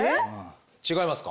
違いますか？